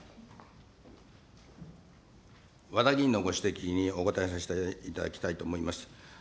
和田議員のご指摘にお答えさせていただきたいと思います。